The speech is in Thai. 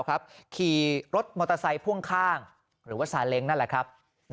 ขี่รถมอเตอร์ไซค์พ่วงข้างหรือว่าซาเล้งนั่นแหละครับ